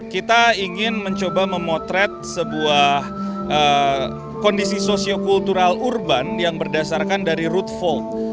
kita ingin mencoba memotret sebuah kondisi sosio kultural urban yang berdasarkan dari root fold